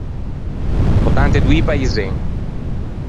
Ottant’e doî paisen.